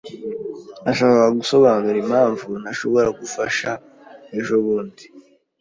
Nashakaga gusobanura impamvu ntashobora gufasha ejobundi.